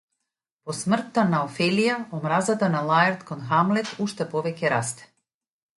По смртта на Офелија омразата на Лаерт кон Хамлет уште повеќе расте.